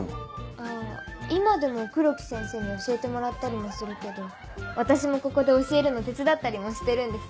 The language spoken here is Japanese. あぁ今でも黒木先生に教えてもらったりもするけど私もここで教えるの手伝ったりもしてるんです。